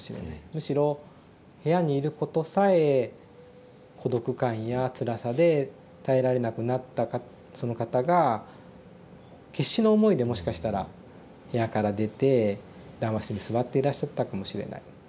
むしろ部屋にいることさえ孤独感やつらさで耐えられなくなったその方が決死の思いでもしかしたら部屋から出て談話室に座っていらっしゃったかもしれない。